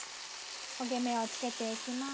焦げ目をつけていきます。